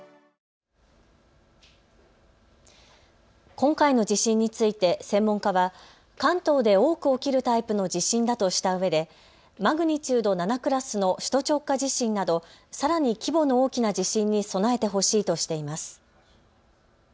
今回の地震について専門家は関東で多く起きるタイプの地震だとしたうえでマグニチュード７クラスの首都直下地震などさらに規模の大きな地震に備えてほしいとしています。